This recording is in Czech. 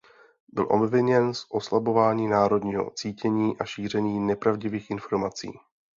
Byl obviněn z oslabování národního cítění a šíření nepravdivých informací.